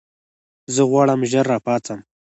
زه غواړم ژر راپاڅم.